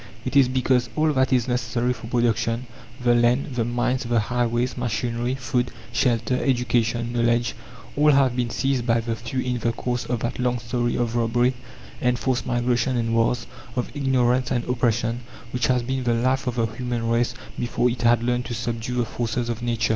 It is because all that is necessary for production the land, the mines, the highways, machinery, food, shelter, education, knowledge all have been seized by the few in the course of that long story of robbery, enforced migration and wars, of ignorance and oppression, which has been the life of the human race before it had learned to subdue the forces of Nature.